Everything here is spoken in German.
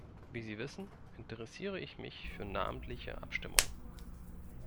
Wie Sie wissen, interessiere ich mich für namentliche Abstimmungen.